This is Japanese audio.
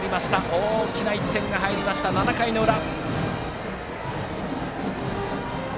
大きな１点が入った７回の裏。